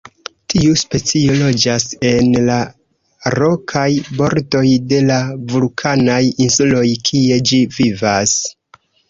Tiu specio loĝas en la rokaj bordoj de la vulkanaj insuloj kie ĝi vivas.